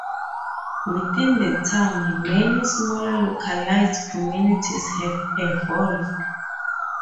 Within the town, many smaller localized communities have evolved.